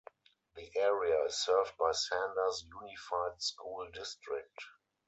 The area is served by Sanders Unified School District.